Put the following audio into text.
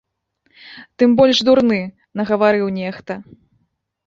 Тым больш дурны, нагаварыў нехта.